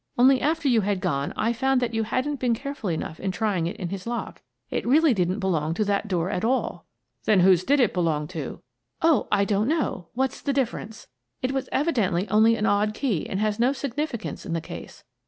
Only after you had gone I found that you hadn't been careful enough in trying it in his lock. It really didn't belong to that door at all." '" Then whose did it belong to? "" Oh, I don't know. What's the difference? It was evidently only an odd key and has no signifi cance in the case.